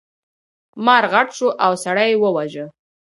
مار غټ شو او سړی یې وواژه.